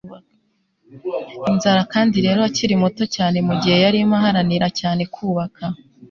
inzara. kandi rero akiri muto cyane mugihe yarimo aharanira cyane kubaka